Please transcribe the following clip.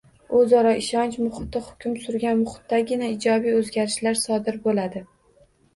O‘zaro ishonch muhiti hukm surgan muhitdagina ijobiy o‘zgarishlar sodir bo‘ladi